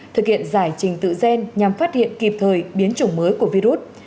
thực hiện giải trình tự gen nhằm phát hiện kịp thời biến chủng mới của virus